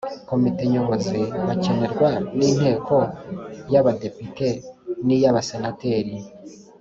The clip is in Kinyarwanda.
Komite Nyobozi bakemerwa ninteko yaba depite niyaba senateri